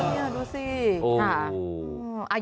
อ๋อนี่ดูสิค่ะโอ้โฮโอ้โฮ